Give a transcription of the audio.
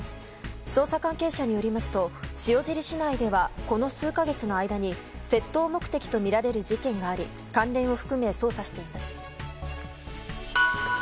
捜査関係者によりますと塩尻市内ではこの数か月の間に窃盗目的とみられる事件があり関連を含め捜査しています。